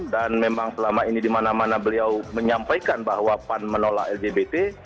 dan memang selama ini dimana mana beliau menyampaikan bahwa pan menolak lgbt